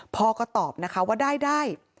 พ่อก็ตอบนะคะว่าได้